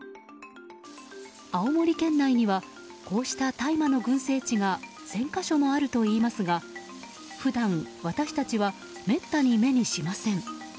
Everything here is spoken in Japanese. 青森県内にはこうした大麻の群生地が１０００か所もあるといいますが普段、私たちはめったに目にしません。